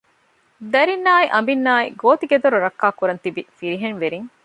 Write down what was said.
ދަރިންނާއި އަނބިންނާއި ގޯތިގެދޮރު ރައްކާ ކުރަން ތިބި ފިރިހެންވެރިން